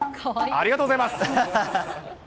ありがとうございます。